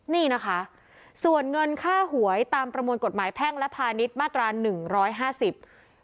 นี่นะคะส่วนเงินค่าหวยตามประมวลกฎหมายแพ่งและพาณิชย์มาตราหนึ่งร้อยห้าสิบ